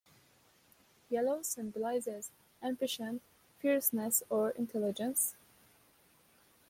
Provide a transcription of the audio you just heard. Yellow symbolizes ambition, fierceness, or intelligence.